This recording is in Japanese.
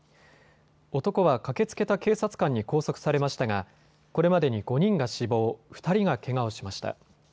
男は駆けつけた警察官に拘束されましたがこれまでに５人が死亡、２人がけがをしました。